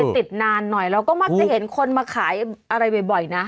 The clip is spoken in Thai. ติดนานหน่อยเราก็มักจะเห็นคนมาขายอะไรบ่อยนะ